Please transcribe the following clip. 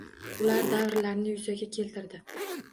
Ular davrlarni yuzaga keltirdi